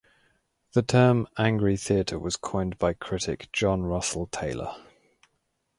The term "Angry theatre" was coined by critic John Russell Taylor.